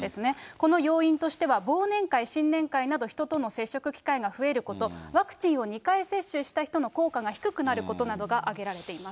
この要因としては、忘年会、新年会など、人との接触機会が増えること、ワクチンを２回接種した人の効果が低くなることなどが挙げられています。